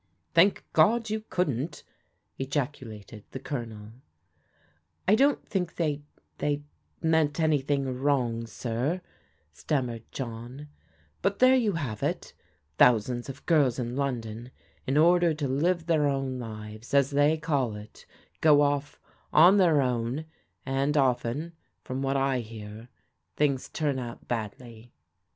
" Thank God, you couldn't !" ejaculated the Colonel. "I don't think they — ^they — ^meant anything wrong, sir," stammered John, "but there you have it Thou sands of girls in London, in order to live their own lives, as they call it, go off 'on their own,* and often, from what I hear, things turn out badly."